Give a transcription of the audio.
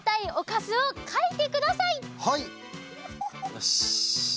よし！